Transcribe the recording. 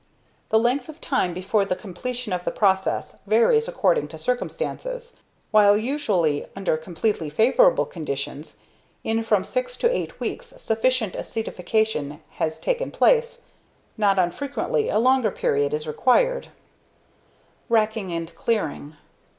] The length of time before the completion of the process varies according to circumstances. While usually, under completely favourable conditions, in from six to eight weeks sufficient acetification has taken place, not unfrequently a longer period is required. [Sidenote: Racking and Clearing.